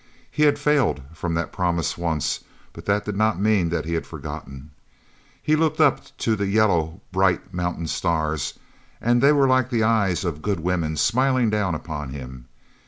He had failed from that promise once, but that did not mean that he had forgotten. He looked up to the yellow bright mountain stars, and they were like the eyes of good women smiling down upon him.